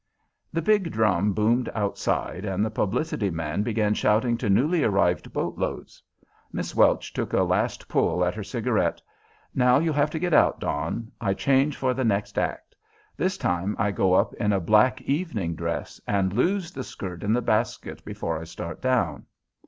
The big drum boomed outside, and the publicity man began shouting to newly arrived boatloads. Miss Welch took a last pull at her cigarette. "Now you'll have to get out, Don. I change for the next act. This time I go up in a black evening dress, and lose the skirt in the basket before I start down."